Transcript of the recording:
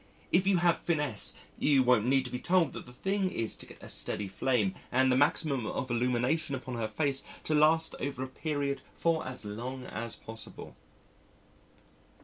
If you have finesse, you won't need to be told that the thing is to get a steady flame and the maximum of illumination upon her face to last over a period for as long as possible."